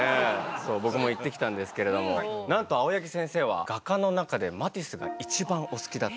そうぼくも行ってきたんですけれどもなんと青柳先生は画家の中でマティスが一番お好きだと。